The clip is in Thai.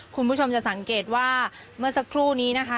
คุณผู้ชมจะสังเกตว่าเมื่อสักครู่นี้นะคะ